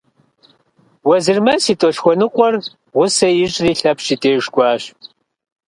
Уэзырмэс и тӏолъхуэныкъуэр гъусэ ищӏри Лъэпщ и деж кӏуащ.